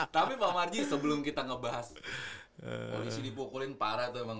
tapi pak marji sebelum kita ngebahas polisi dipukulin parah tuh emang